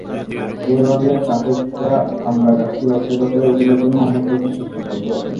এই ভাবিয়া কাছে একটা আমড়া গাছ ছিল, সেইটাতেই উঠিবার জন্য অনেকরকম চেষ্টা করিল।